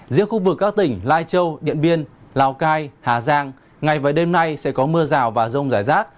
riêng khu vực các tỉnh lai châu điện biên lào cai hà giang ngày và đêm nay sẽ có mưa rào và rông rải rác